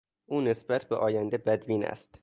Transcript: او نسبت به آینده بدبین است.